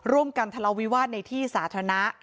รวมกันทะเลาะวิวาดในที่ศาสตร์ธนา